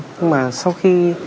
nhưng mà sau khi